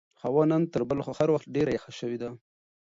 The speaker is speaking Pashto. هوا نن تر بل هر وخت ډېره یخه شوې ده.